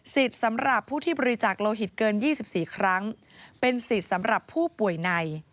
สำหรับผู้ที่บริจาคโลหิตเกิน๒๔ครั้งเป็นสิทธิ์สำหรับผู้ป่วยใน